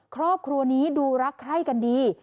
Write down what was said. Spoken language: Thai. ครอบครัวนี้ดูรักใคร่กันดี